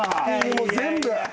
もう全部。